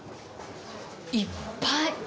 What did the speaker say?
いっぱい！